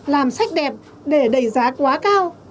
làm sách đẹp để đẩy giá quá cao